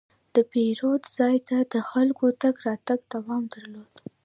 د پیرود ځای ته د خلکو تګ راتګ دوام درلود.